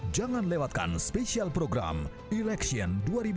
jangan lewatkan special program election dua ribu dua puluh